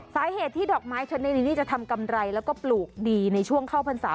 สาเหตุที่ดอกไม้ชนิดนี้จะทำกำไรแล้วก็ปลูกดีในช่วงเข้าพรรษา